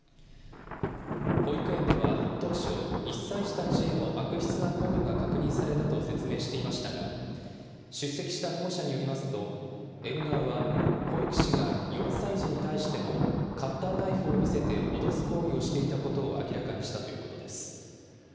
保育園では当初、１歳児たちへの悪質な行為が確認されたと説明していましたが、出席した保護者によりますと、園側は保育士が４歳児に対してもカッターナイフを見せて脅す行為をしていたことを明らかにしたということです。